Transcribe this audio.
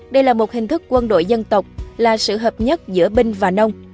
đây là một hình thức quân đội dân tộc là sự hợp nhất giữa binh và nông